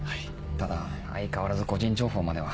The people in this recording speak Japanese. ただ相変わらず個人情報までは。